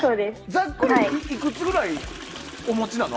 ざっくりいくつくらいお持ちなの？